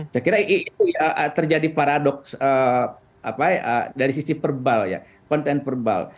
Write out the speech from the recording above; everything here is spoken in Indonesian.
saya kira itu ya terjadi paradoks dari sisi perbal ya konten perbal